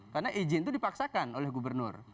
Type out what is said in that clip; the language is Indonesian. karena izin itu dipaksakan oleh gubernur